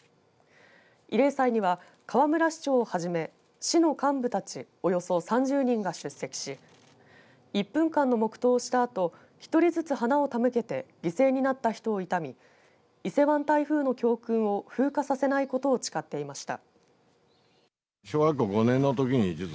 慰霊祭には河村市長をはじめ市の幹部たちおよそ３０人が出席し１分間の黙とうをしたあと１人ずつ花を手向けて犠牲になった人を悼み伊勢湾台風の教訓を風化させないことを誓っていました。